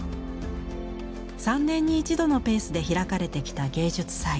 ３年に一度のペースで開かれてきた芸術祭。